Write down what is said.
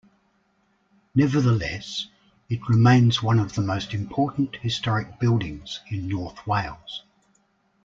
Nevertheless, it remains one of the most important historic buildings in North Wales.